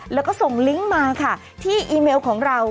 แล้วก็ส่งลิงก์มาค่ะที่อีเมลของเรา